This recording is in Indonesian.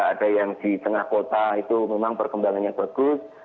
ada yang di tengah kota itu memang perkembangannya bagus